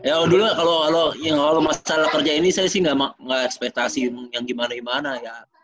ya dulu kalau masalah kerja ini saya sih nggak ekspektasi yang gimana gimana ya